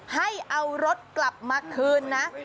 ให้เอารถกลับมาคืนนะ